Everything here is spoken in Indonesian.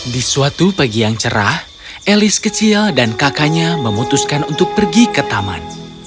di suatu pagi yang cerah elis kecil dan kakaknya memutuskan untuk pergi ke taman